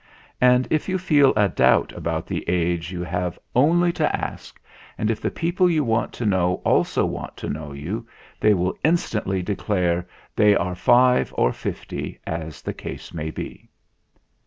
And if you feel a doubt about the age you have only 64 THE FLINT HEART to ask, and if the people you want to know also want to know you, they will instantly de clare they are five or fifty, as the case may be.